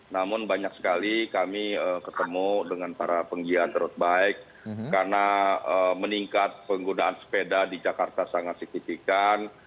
namun banyak sekali kami ketemu dengan para penggiat road bike karena meningkat penggunaan sepeda di jakarta sangat signifikan